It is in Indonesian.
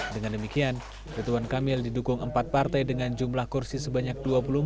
dengan demikian ridwan kamil didukung empat partai dengan jumlah kursi sebanyak dua puluh empat